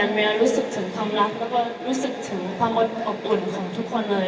แมวรู้สึกถึงความรักแล้วก็รู้สึกถึงความอดอบอุ่นของทุกคนเลย